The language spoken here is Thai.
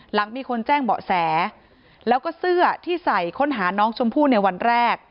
หลังมีคนแจ้งเบาะแสแล้วก็เสื้อที่ใส่ค้นหาน้องชมพู่ในวันแรก